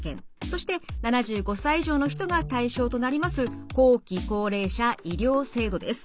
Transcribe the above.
そして７５歳以上の人が対象となります後期高齢者医療制度です。